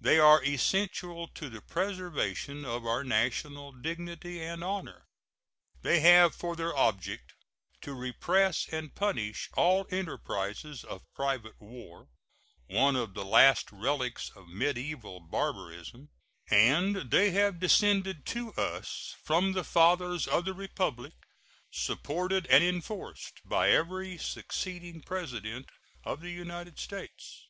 They are essential to the preservation of our national dignity and honor; they have for their object to repress and punish all enterprises of private war, one of the last relics of mediaeval barbarism; and they have descended to us from the fathers of the Republic, supported and enforced by every succeeding President of the United States.